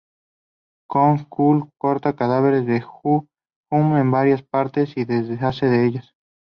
Kyung-chul corta el cadáver de Joo-yun en varias partes y se deshace de ellas.